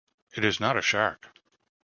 It is not a shark.